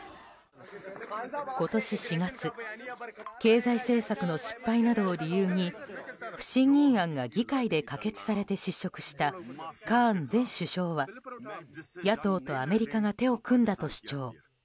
今年４月経済政策の失敗などを理由に不信任案が議会で可決されて失職したカーン前首相は野党とアメリカが手を組んだと主張。